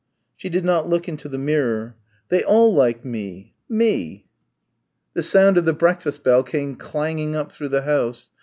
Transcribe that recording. She did not look into the mirror. "They all like me, me." The sound of the breakfast bell came clanging up through the house.